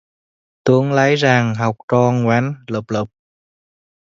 Tương lai rạng, học trò ngoan lớp lớp..